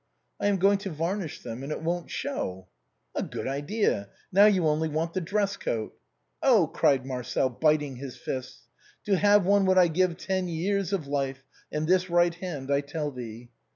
" I am going to varnish them, and it won't show." " A good idea ! Now you only want the dress coat." " Oh !" cried Marcel, biting his fists :" To have one would I give ten years of life, And this right hand, I tell thee."